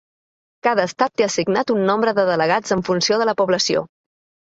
Cada estat té assignat un nombre de delegats en funció de la població.